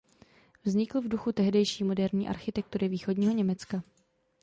Vznikl v duchu tehdejší moderní architektury Východního Německa.